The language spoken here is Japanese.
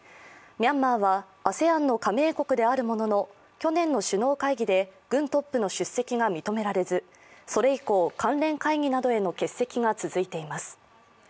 ミャンマーはＡＳＥＡＮの加盟国であるものの去年の首脳会議で軍トップの出席が認められずそれ以降、関連会議などへの欠席が続いています。